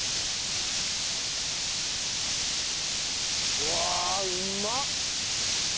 うわあうまっ！